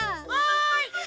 はい。